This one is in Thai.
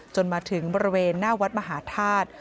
จนถึงบริเวณหน้าวัดมหาธาตุ